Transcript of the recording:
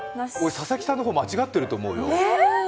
佐々木さんの方、間違っていると思うよ。